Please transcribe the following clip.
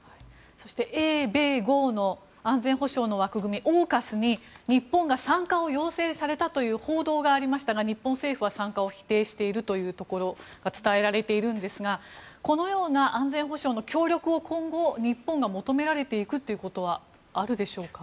そして英米豪の安全保障の枠組みＡＵＫＵＳに日本が参加を要請されたという報道がありましたが日本政府は参加を否定していると伝えられているんですがこのような安全保障の協力を今後、日本が求められていくということはあるでしょうか。